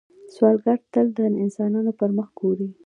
سوالګر تل د انسانانو پر مخ ګوري